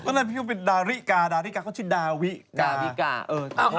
เพราะอันนี้พี่ยกเป็นดาริกาดาริกาก็ชื่อดาวิกา